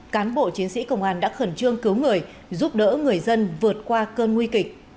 cán bộ chiến sĩ công an đã khẩn trương cứu người giúp đỡ người dân vượt qua cơn nguy kịch